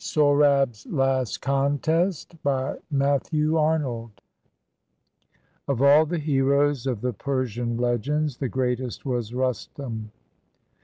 SOHRAB'S LAST CONTEST BY MATTHEW ARNOLD [Of all the heroes of the Persian legends, the greatest was Rustum.